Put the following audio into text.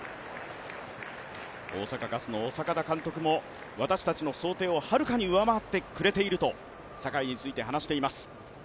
大阪ガスの監督も私たちの想定をはるかに上回ってくれていると坂井について話しています。